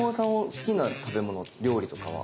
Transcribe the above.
好きな食べ物料理とかは？